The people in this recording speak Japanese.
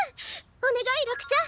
お願い六ちゃん！